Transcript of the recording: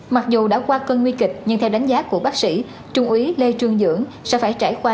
mặc dù đã qua cơn nguy kịch nhưng theo đánh giá của bác sĩ trung úy lê trương dưỡng sẽ phải trải qua